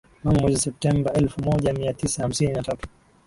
mnamo mwezi Septembaelfu moja mia tisa hamsini na tatu